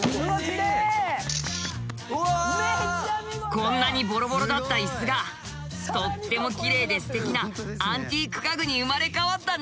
こんなにボロボロだった椅子がとってもきれいですてきなアンティーク家具に生まれ変わったね。